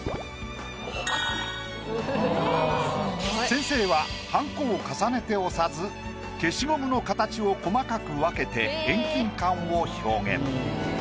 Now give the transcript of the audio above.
先生ははんこを重ねて押さず消しゴムの形を細かく分けて遠近感を表現。